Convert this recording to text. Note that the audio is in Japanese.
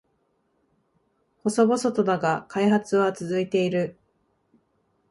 細々とだが開発は続いている